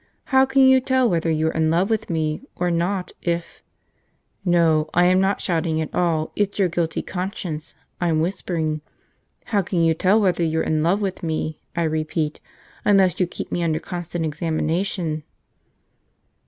How can you tell whether you're in love with me or not if (No, I am not shouting at all; it's your guilty conscience; I'm whispering.) How can you tell whether you're in love with me, I repeat, unless you keep me under constant examination?"